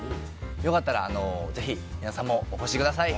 よかったらぜひ皆さんもお越しください